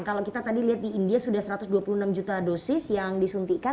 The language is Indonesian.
kalau kita tadi lihat di india sudah satu ratus dua puluh enam juta dosis yang disuntikan